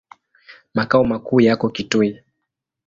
Makao makuu yako Kitui.